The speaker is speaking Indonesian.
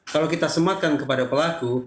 kalau kita sematkan kepada pelaku